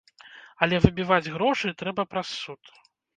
Але выбіваць грошы трэба праз суд.